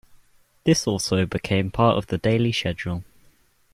This also became part of the daily schedule.